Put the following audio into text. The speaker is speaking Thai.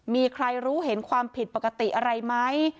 มีใครรู้เห็นความผิดปกติอะไรไหม